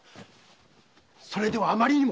それではあまりにも。